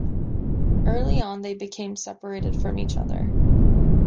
Early on they became separated from each other.